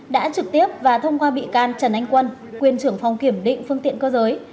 đã trực tiếp và thông qua bị can trần anh quân quyền trưởng phòng kiểm định phương tiện cơ giới